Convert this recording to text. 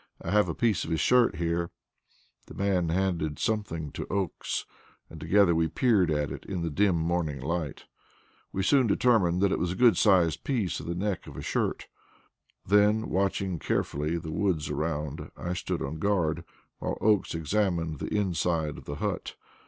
I have a piece of his shirt here, sir." The man handed something to Oakes, and together we peered at it in the dim morning light. We soon determined that it was a good sized piece of the neck of a shirt. Then, watching carefully the woods around, I stood on guard, while Oakes examined the inside of the hut.